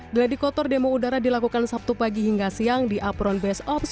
geladi kotor demo udara dilakukan sabtu pagi hingga siang di apron base ops